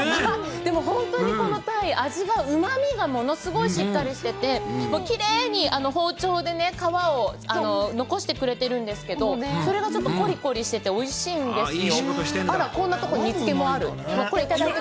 でも、本当にこの鯛、味が、うまみが物すごいしっかりしてて、きれいに包丁で皮を残してくれてるんですけど、それがちょっとこりこりしてておいしいんですよ。